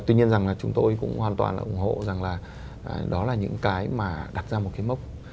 tuy nhiên rằng là chúng tôi cũng hoàn toàn là ủng hộ rằng là đó là những cái mà đặt ra một cái mốc